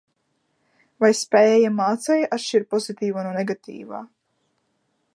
Vai spēja, mācēja atšķirt pozitīvo no negatīvā?